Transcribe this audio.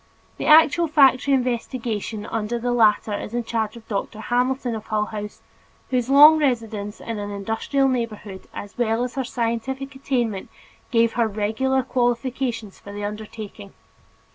The actual factory investigation under the latter is in charge of Dr. Hamilton, of Hull House, whose long residence in an industrial neighborhood as well as her scientific attainment, give her peculiar qualifications for the undertaking.